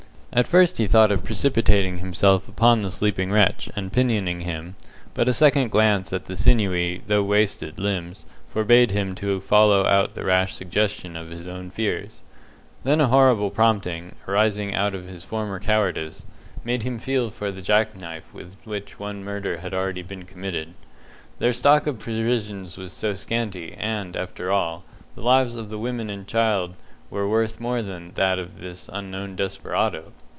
At first he thought of precipitating himself upon the sleeping wretch and pinioning him, but a second glance at the sinewy, though wasted, limbs forbade him to follow out the rash suggestion of his own fears. Then a horrible prompting arising out of his former cowardice made him feel for the jack knife with which one murder had already been committed. Their stock of provisions was so scanty, and after all, the lives of the woman and child were worth more than that of this unknown desperado!